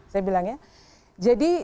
saya bilang ya jadi